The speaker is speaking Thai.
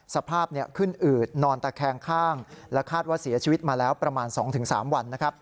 สภาพขึ้นอืดนอนตะแคงข้างและคาดว่าเสียชีวิตมาแล้วประมาณ๒๓วัน